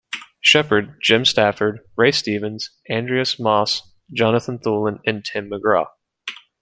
Sheppard, Jim Stafford, Ray Stevens, Andreas Moss, Jonathan Thulin and Tim McGraw.